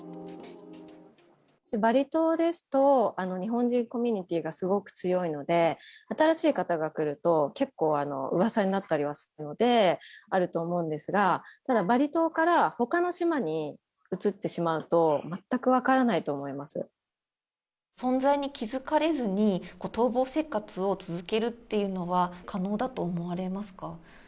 バリ島ですと、日本人コミュニティーがすごく強いので、新しい方が来ると、結構、うわさになったりはするので、あると思うんですが、ただバリ島からほかの島に移ってしまうと、全く分からないと思い存在に気付かれずに、逃亡生活を続けるっていうのは、可能だと思われますか？